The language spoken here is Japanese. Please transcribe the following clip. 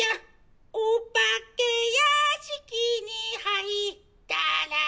「お化けやしきに入ったら」